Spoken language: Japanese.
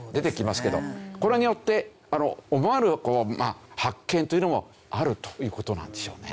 これによって思わぬ発見というのもあるという事なんでしょうね。